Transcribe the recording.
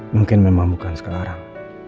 mungkin memang bukan sekarang